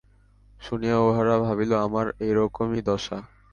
শুনিয়া উহারা ভাবিল, আমার এইরকমই দশা।